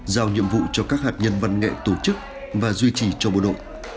giao nhiệm vụ cho các hạt nhân văn nghệ tổ chức và duy trì cho bộ đội